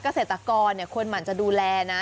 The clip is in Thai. เกษตรกรควรหมั่นจะดูแลนะ